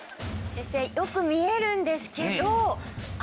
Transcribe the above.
姿勢良く見えるんですけど。